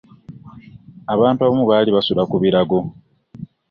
Abantu abamu baali basula ku birago.